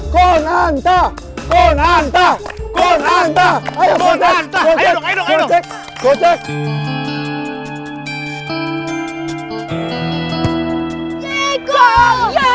konanta konanta konanta